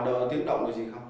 đâu là tiếng động gì không